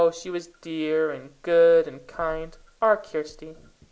she was dear, and good, and kind, our Kirsty!